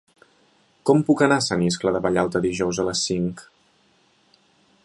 Com puc anar a Sant Iscle de Vallalta dijous a les cinc?